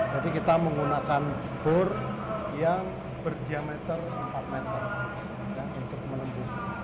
jadi kita menggunakan bor yang berdiameter empat meter untuk menembus